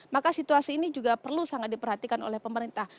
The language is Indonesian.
maka situasi ini juga perlu sangat diperhatikan oleh pemerintah